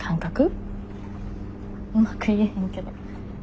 うまく言えへんけど。